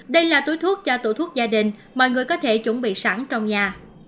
đây là túi thuốc cho tủ thuốc gia đình mọi người có thể chuẩn bị sẵn trong nhà